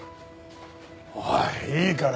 おいいいから！